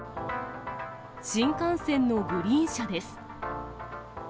新幹線のグリーン車です。